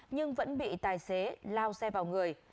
nhưng vẫn bị tài xế lao xe vào người